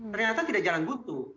ternyata tidak jalan buntu